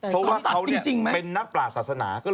เพราะเขาเป็นนักปราศาสนาจริงไหม